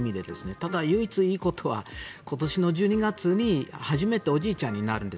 ただ、唯一いいことは今年の１２月に初めておじいちゃんになるんです。